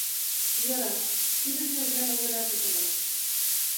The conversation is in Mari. — Йӧра, тидын нерген огына кутыро.